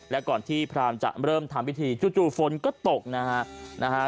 และก่อนที่พรามจะเริ่มทำพิธีจู่ฝนก็ตกนะฮะนะฮะ